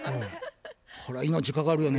これは命に関わるよね。